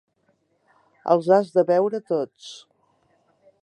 Els has de veure tots.